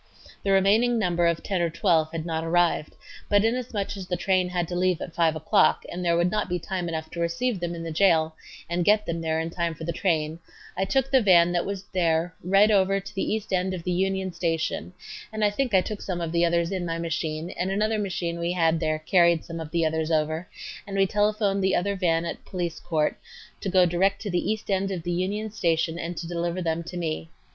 The remaining number of ten or twelve had not arrived, but inasmuch as the train had to leave at 5 o'clock and there would not be time enough to receive them in the jail and get them there in time for the train, I took the van that was there right over to the east end of the Union Station, and I think I took some of the others in my machine and another machine we had there carried some of the others over, and we telephoned the other van at Police Court to go direct to the east end of the Union Station and to deliver them to me.